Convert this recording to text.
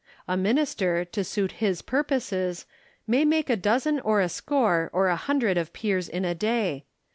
A minister, to suit his purposes, may make a dozen or a score or a hundred of peers in a day.